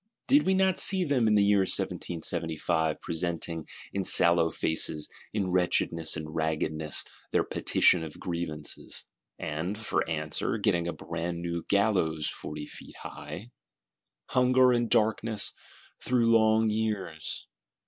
Did we not see them, in the year 1775, presenting, in sallow faces, in wretchedness and raggedness, their Petition of Grievances; and, for answer, getting a brand new Gallows forty feet high? Hunger and Darkness, through long years!